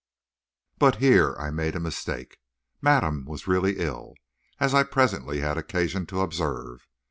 But here I made a mistake. Madame was really ill, as I presently had occasion to observe.